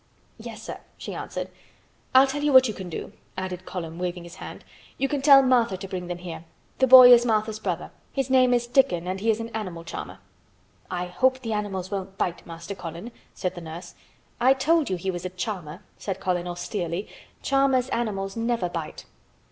"Yes, sir," she answered. "I'll tell you what you can do," added Colin, waving his hand. "You can tell Martha to bring them here. The boy is Martha's brother. His name is Dickon and he is an animal charmer." "I hope the animals won't bite, Master Colin," said the nurse. "I told you he was a charmer," said Colin austerely. "Charmers' animals never bite."